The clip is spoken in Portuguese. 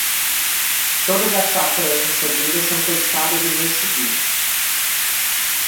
Todas as faturas recebidas são creditadas no mês seguinte.